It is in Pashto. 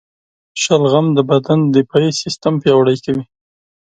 شلغم د بدن دفاعي سیستم پیاوړی کوي.